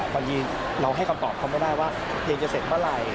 บางทีเราให้คำตอบเขาไม่ได้ว่าเพลงจะเสร็จเมื่อไหร่